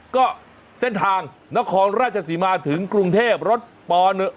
ก็เส้นทางนครราชสีมาถึงกรุงเทพรถป๑